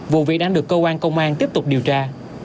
vụ việc đang được công an tiếp tục điều tra